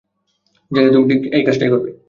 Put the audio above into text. জানি, তুমি ঠিক কাজটাই করবে।